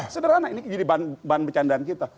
sederhana ini jadi bahan bercandaan kita